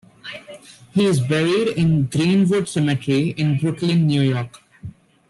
He is buried in Green-Wood Cemetery in Brooklyn, New York.